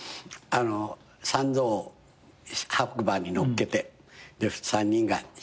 三蔵を白馬に乗っけてで３人が下を歩いて。